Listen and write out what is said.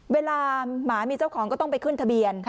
หมามีเจ้าของก็ต้องไปขึ้นทะเบียน